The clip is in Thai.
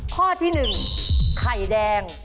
ข้อที่๑ไข่แดง